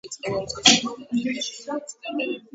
პროვინციის კუნძულები კალის უდიდესი მწარმოებელია ინდონეზიაში.